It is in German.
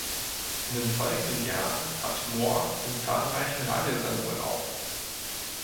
In den folgenden Jahren trat Moore in zahlreichen Radiosendungen auf.